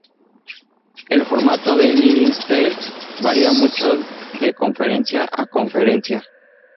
El formato de "lightning talks" varía mucho de conferencia a conferencia.